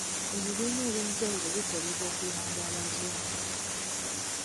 Ebibiina eby'enjawulo bikolebwa okuyamba abazirwanako.